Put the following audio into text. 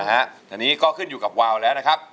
อันนี้ก็ขึ้นอยู่กับวาวแล้วนะครับ